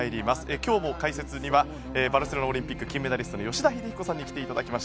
今日も解説にはバルセロナオリンピック金メダリストの吉田秀彦さんに来ていただきました。